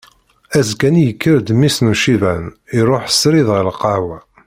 Azekka-nni yekker-d mmi-s n uciban iruḥ srid ɣer lqahwa.